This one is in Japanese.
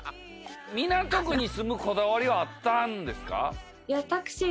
港区に住むこだわりはあったんですか？